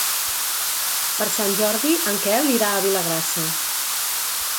Per Sant Jordi en Quel irà a Vilagrassa.